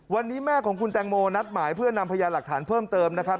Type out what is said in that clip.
วันนี้แม่ของคุณแตงโมนัดหมายเพื่อนำพยานหลักฐานเพิ่มเติมนะครับ